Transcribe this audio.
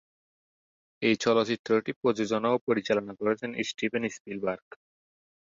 এই চলচ্চিত্রটি প্রযোজনা ও পরিচালনা করেছেন স্টিভেন স্পিলবার্গ।